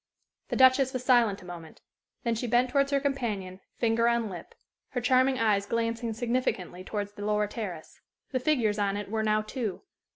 The Duchess was silent a moment. Then she bent towards her companion, finger on lip, her charming eyes glancing significantly towards the lower terrace. The figures on it were now two.